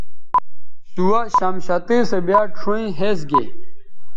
سُوہ شمشتئ سو بیاد شؤیں ھِس گے